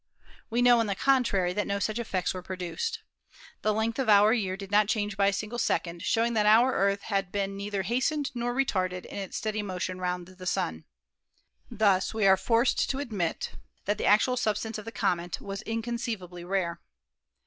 We know, on the contrary, that no such effects were produced. The length of our year did not change by a single second, showing that our Earth had been neither hastened nor retarded in its steady motion round the Sun. Thus we are forced to admit that the actual substance of the comet was inconceivably rare.